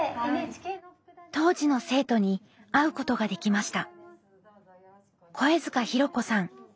当時の生徒に会うことができました。